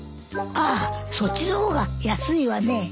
ああそっちの方が安いわね。